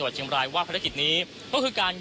คุณทัศนาควดทองเลยค่ะ